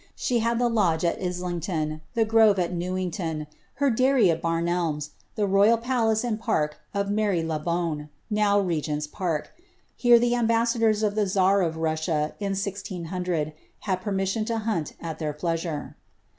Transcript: She had the Lodge at Islinflon, the Grofe at A'ewiflglon, her Dairy at Bariielnis, anil the royal palact and park of Mary la Bonne, now Regent's Park ; here the ambassadora of the czar of Russia, in 1600, had permission to hunt at their pleasure.